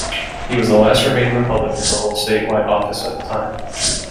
He was the last remaining Republican to hold statewide office at the time.